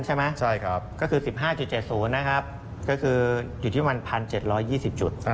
ใช่ไหมครับก็คือ๑๕๗โดยคืออยู่ที่มัน๑๗๒๐จุด